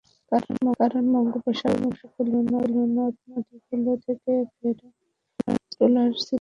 কারণ, বঙ্গোপসাগরসহ উপকূলীয় নদ নদীগুলো থেকে ফেরা ট্রলার ছিল ইলিশে ভরা।